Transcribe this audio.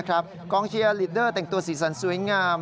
กองเชียร์ลีดเดอร์แต่งตัวสีสันสวยงาม